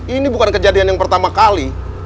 ini bukan kejadian yang pertama kali